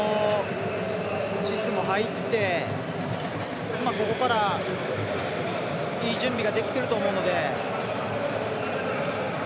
シスも入って、ここからいい準備ができていると思うので。